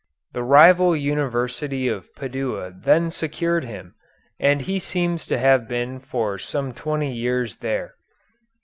The rival University of Padua then secured him, and he seems to have been for some twenty years there.